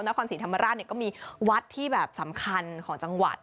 ที่นครสีธรรมราชก็มีวัดที่สำคัญของจังหวัด